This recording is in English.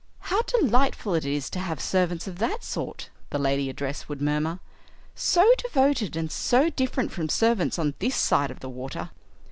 "How delightful it is to have servants of that sort," the lady addressed would murmur; "so devoted and so different from servants on this side of the water.